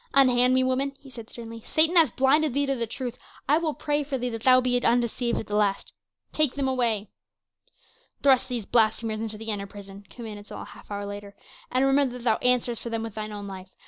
"Unhand me, woman," he said sternly. "Satan hath blinded thee to the truth; I will pray for thee that thou be undeceived at the last. Take them away." "Thrust these blasphemers into the inner prison," commanded Saul a half hour later, "and remember that thou answerest for them with thine own life.